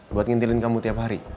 buat ngintilin kamu tiap hari